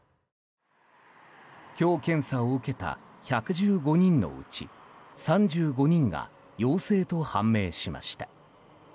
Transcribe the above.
今日、検査を受けた１１５人のうち３５人が陽性と判明しました。